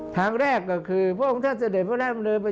ทางแรกก็คือพระองค์ท่านเสด็จพระองค์ท่านบรรเวลา